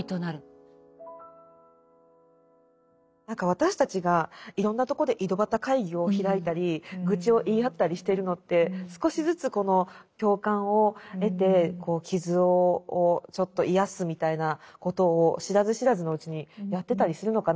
私たちがいろんなとこで井戸端会議を開いたり愚痴を言い合ったりしてるのって少しずつこの共感を得て傷をちょっと癒やすみたいなことを知らず知らずのうちにやってたりするのかなって。